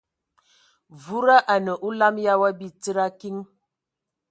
Wuda anə olam ya wa bi tsid a kiŋ.